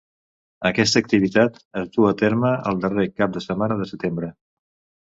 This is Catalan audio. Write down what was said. Aquesta activitat es duu a terme el darrer cap de setmana de setembre.